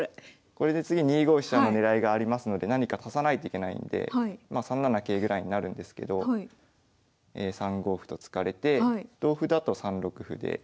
これで次２五飛車の狙いがありますので何か足さないといけないので３七桂ぐらいになるんですけど３五歩と突かれて同歩だと３六歩で。